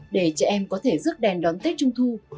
để trẻ em có thể rước đèn đón tết trung thu